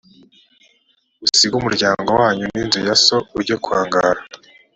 usige umuryango wanyu n’inzu ya so ujye kwangara